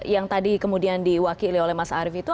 yang tadi kemudian diwakili oleh mas arief itu